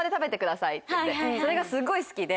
それがすごい好きで。